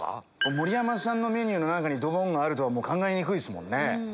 盛山さんのメニューの中にドボンがあるとは考えにくいです。